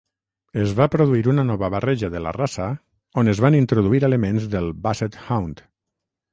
Es va produir una nova barreja de la raça on es van introduir elements del Basset Hound.